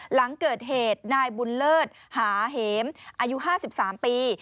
หลังเกิดเหตุนายบุญเลิศหาเหมอายุ๕๓ปี